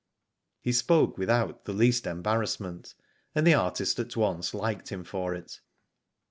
He spoke without the least embarrassment, and the artist at once liked him for it.